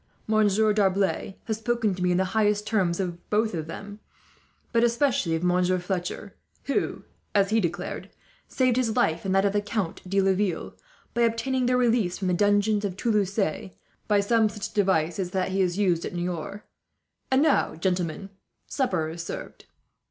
"Moreover, Monsieur D'Arblay has spoken to me in the highest terms of both of them, but especially of Monsieur Fletcher; who, as he declared, saved his life and that of the Count de Laville, by obtaining their release from the dungeons of Toulouse, by some such device as that he has used at Niort. "And now, gentlemen, supper is served.